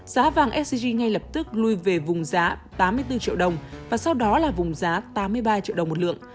giá vàng sgg ngay lập tức lui về vùng giá tám mươi bốn triệu đồng và sau đó là vùng giá tám mươi ba triệu đồng một lượng